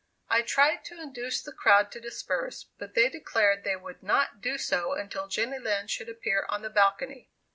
I tried to induce the crowd to disperse, but they declared they would not do so until Jenny Lind should appear on the balcony.